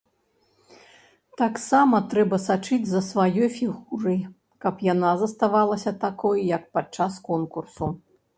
Таксама трэба сачыць за сваёй фігурай, каб яна заставалася такой, як падчас конкурсу.